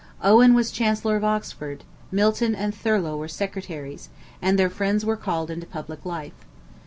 Owen was chancellor of Oxford, Milton and Thurlow were secretaries, and their friends were called into public life.